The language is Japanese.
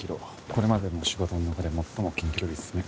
これまでの仕事の中で最も近距離ですね。